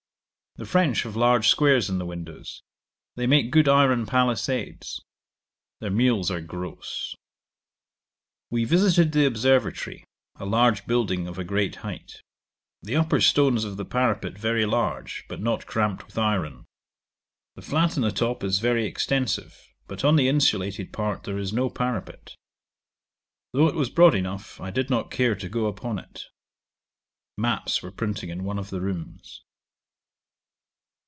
The French have large squares in the windows; they make good iron palisades. Their meals are gross. 'We visited the Observatory, a large building of a great height. The upper stones of the parapet very large, but not cramped with iron. The flat on the top is very extensive; but on the insulated part there is no parapet. Though it was broad enough, I did not care to go upon it. Maps were printing in one of the rooms.